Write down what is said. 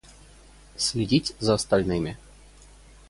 Следить за остальными.